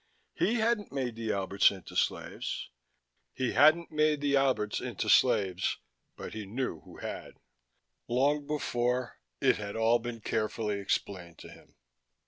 He hadn't made the Alberts into slaves. He hadn't made the Alberts into slaves. But he knew who had. Long before, it had all been carefully explained to him.